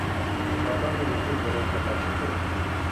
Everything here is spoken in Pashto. افغانانو یو لوی بری ترلاسه کړی وو.